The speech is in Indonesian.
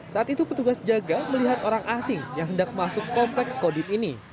saat itu petugas jaga melihat orang asing yang hendak masuk kompleks kodim ini